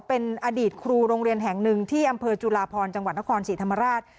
เป็นอดีตครูโรงเรียนแห่งหนึ่งที่อำเภอจุลาพรจังหวัดนครศรีธรรมราช